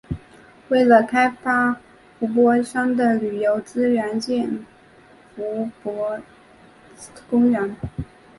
为了开发伏波山的旅游资源建伏波公园。